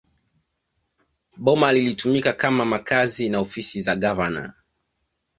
Boma lilitumika kama makazi na ofisi za gavana